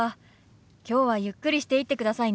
きょうはゆっくりしていってくださいね。